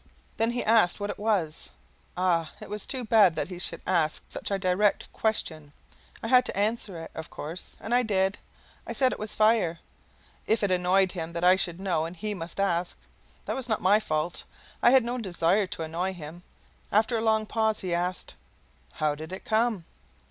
Then he asked what it was. Ah, it was too bad that he should ask such a direct question. I had to answer it, of course, and I did. I said it was fire. If it annoyed him that I should know and he must ask; that was not my fault; I had no desire to annoy him. After a pause he asked: "How did it come?"